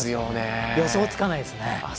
予想つかないですね。